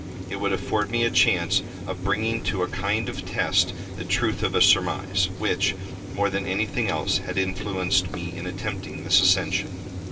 It would afford me a chance of bringing to a kind of test the truth of a surmise, which, more than anything else, had influenced me in attempting this ascension.